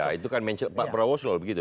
ya itu kan mention pak prabowo selalu begitu